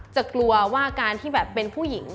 กลัวว่าการที่แบบเป็นผู้หญิง